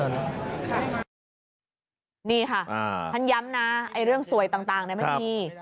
นี่ค่ะท่านย้ำนะเรื่องสวยต่างไม่มี